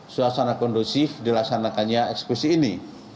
suasana kondusif dilaksanakannya eksekusi ini